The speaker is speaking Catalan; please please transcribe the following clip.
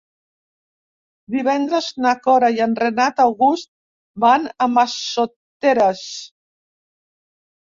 Divendres na Cora i en Renat August van a Massoteres.